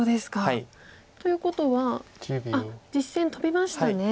ということは実戦トビましたね。